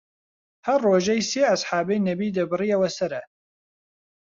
هەر ڕوژەی سێ ئەسحابەی نەبی دەبڕیەوە سەرە